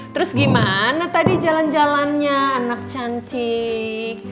terus gimana tadi jalan jalannya anak cantik